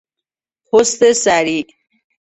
پست سریع